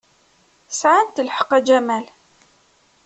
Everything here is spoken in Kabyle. Sɛant lḥeqq, a Jamal.